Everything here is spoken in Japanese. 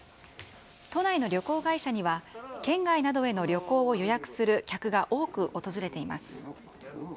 都内の旅行会社には、県外などへの旅行を予約する客が多く訪れています。